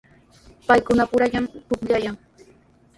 Paykunapurallami pukllaykaayan.